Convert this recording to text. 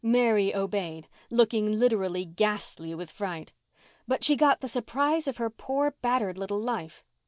Mary obeyed, looking literally ghastly with fright. But she got the surprise of her poor, battered little life.